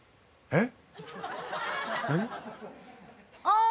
えっ？